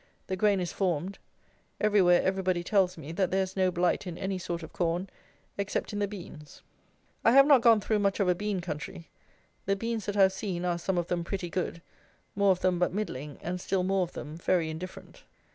The grain is formed; everywhere everybody tells me that there is no blight in any sort of corn, except in the beans. I have not gone through much of a bean country. The beans that I have seen are some of them pretty good, more of them but middling, and still more of them very indifferent.